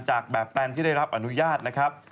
จากแบบแปลนที่ได้รับอนุญาตนะครับ